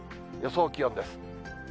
予想気温です。